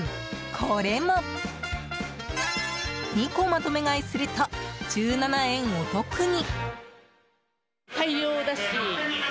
これも、２個まとめ買いすると１７円お得に。